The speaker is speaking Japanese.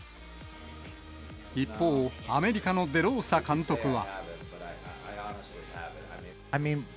一方、アメリカのデローサ監督は。